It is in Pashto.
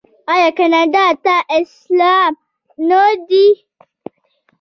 آیا کاناډا ته سلام نه دی؟